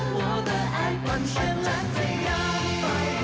ปันปันจะกระยานไป